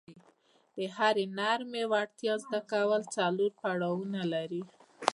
د هرې نرمې وړتیا زده کول څلور پړاونه لري.